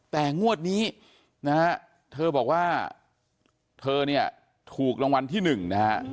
แต่งวดนี้นะฮะเธอบอกว่าเธอเนี่ยถูกรางวัลที่๑นะฮะ